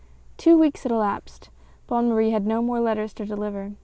1 ">WO weeks had elapsed. Bonne Marie had no more letters to deliver.